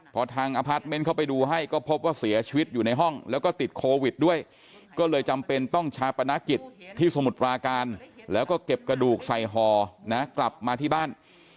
พอทางอพาร์ทเมนต์เข้าไปดูให้ก็พบว่าเสียชีวิตอยู่ในห้องแล้วก็ติดโควิดด้วยก็เลยจำเป็นต้องชาปนกิจที่สมุทรปราการแล้วก็เก็บกระดูกใส่ห่อนะกลับมาที่บ้าน